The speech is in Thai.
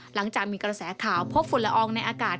หลังจากมีกระแสข่าวพบฝุ่นละอองในอากาศ